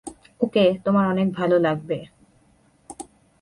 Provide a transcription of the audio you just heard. ওকে তোমার অনেক ভালো লাগবে।